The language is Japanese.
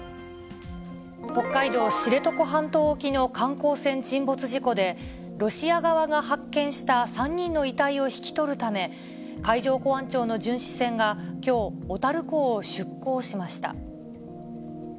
北海道知床半島沖の観光船沈没事故で、ロシア側が発見した３人の遺体を引き取るため、海上保安庁の巡視船がきょう、小樽港を出港しました。